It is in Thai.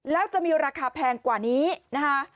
แล้วจะมีราคาแพงกว่านี้นะคะ